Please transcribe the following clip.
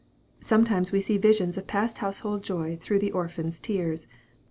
Sometimes we see visions of past household joy through the orphan's tears.